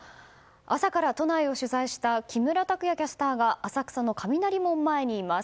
朝から都内を取材した木村拓也キャスターが浅草の雷門前にいます。